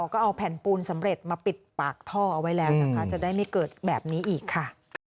ก็เอาแผ่นปูนสำเร็จมาปิดปากท่อเอาไว้แล้วนะคะจะได้ไม่เกิดแบบนี้อีกค่ะ